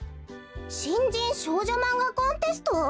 「新人少女マンガコンテスト」？